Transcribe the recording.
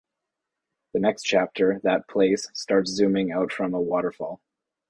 The next chapter, "That Place", starts zooming out from a waterfall.